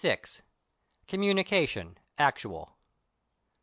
XLVI. COMMUNICATION, ACTUAL.